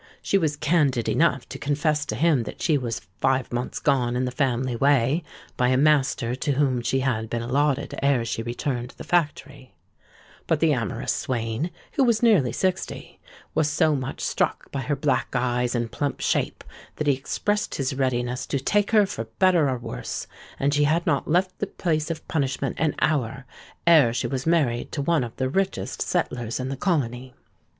She was candid enough to confess to him that she was five months gone in the family way by a master to whom she had been allotted ere she returned to the Factory; but the amorous swain, who was nearly sixty, was so much struck by her black eyes and plump shape, that he expressed his readiness to take her 'for better or worse;' and she had not left the place of punishment an hour, ere she was married to one of the richest settlers in the colony.